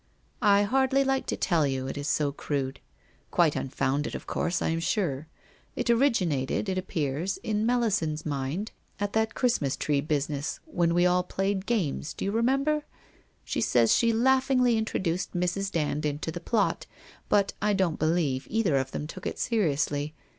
c I hardly like to tell you, it is so crude. Quite un founded, of course, I am sure. It originated, it appears, in Melisande's mind, at that Christmas tree business, when we all played games — do you remember? She says she laughingly introduced Mrs. Dand into the plot, but I don't believe either of them took it seriously.